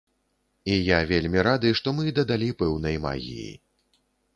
І я вельмі рады, што мы дадалі пэўнай магіі.